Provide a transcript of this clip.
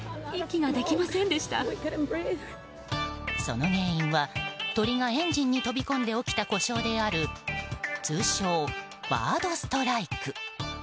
その原因は、鳥がエンジンに飛び込んで起きた故障である通称バードストライク。